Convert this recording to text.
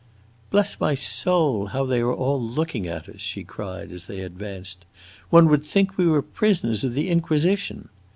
"Bless my soul, how they are all looking at us!" she cried, as they advanced. "One would think we were prisoners of the Inquisition!"